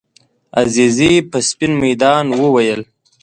عزیزي په سپین میدان وویل.